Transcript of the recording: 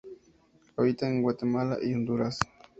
Habita en Guatemala y Honduras.